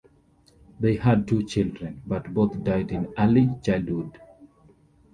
They had two children, but both died in early childhood.